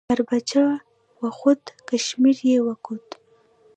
پر پچه وخوت، کشمیر یې وکوت.